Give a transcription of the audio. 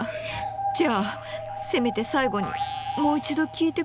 じゃあせめて最後にもう一度聴いてくれる？